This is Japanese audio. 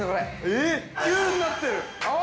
えっ、Ｑになってる！？